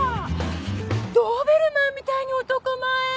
ドーベルマンみたいに男前！